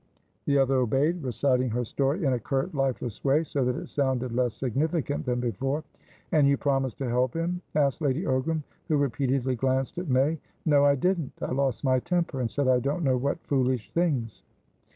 The other obeyed, reciting her story in a curt, lifeless way, so that it sounded less significant than before. "And you promised to help him?" asked Lady Ogram, who repeatedly glanced at May. "No, I didn't. I lost my temper, and said I don't know what foolish things."